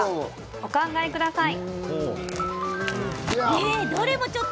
お考えください。